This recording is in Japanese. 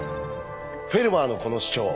フェルマーのこの主張